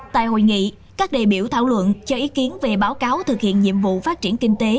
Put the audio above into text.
tại hội nghị các đại biểu thảo luận cho ý kiến về báo cáo thực hiện nhiệm vụ phát triển kinh tế